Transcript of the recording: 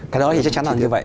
cái đó thì chắc chắn là như vậy